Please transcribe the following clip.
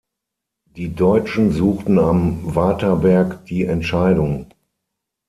Die Deutschen suchten am Waterberg die Entscheidung.